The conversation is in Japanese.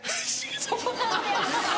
そう！